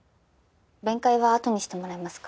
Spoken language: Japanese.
弁解はあとにしてもらえますか？